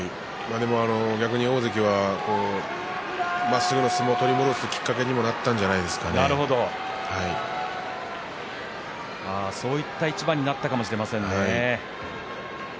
逆に大関はまっすぐな相撲を取り戻すきっかけにああ、なるほどそういった一番になったかもしれませんね。